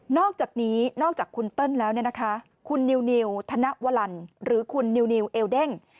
อกจากนี้นอกจากคุณเติ้ลแล้วเนี่ยนะคะคุณนิวธนวลันหรือคุณนิวเอลเด้ง